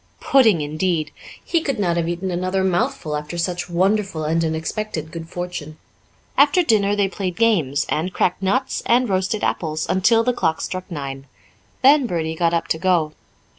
Pudding, indeed! He could not have eaten another mouthful after such wonderful and unexpected good fortune. After dinner they played games, and cracked nuts, and roasted apples, until the clock struck nine; then Bertie got up to go.